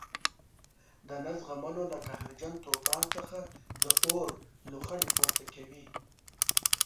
د نه زغملو له قهرجن توپان څخه د اور لوخړې پورته کوي.